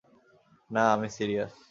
না, আমি সিরিয়াস।